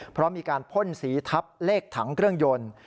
เพราะมีการพ่นสีทับเลขถังเครื่องยนต์